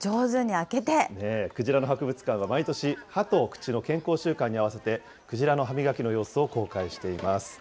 くじらの博物館は毎年、歯と口の健康週間に合わせて、クジラの歯磨きの様子を公開しています。